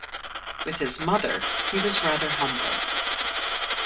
With his mother he was rather humble.